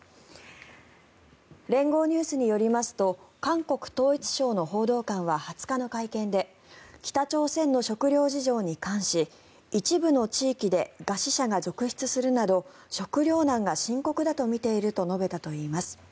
連合ニュースによりますと韓国統一省の報道官は２０日の会見で北朝鮮の食料事情に関し一部の地域で餓死者が続出するなど食料難が深刻だとみていると述べたといいます。